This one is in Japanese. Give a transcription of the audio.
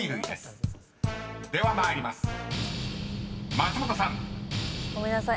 ［松本さん］ごめんなさい。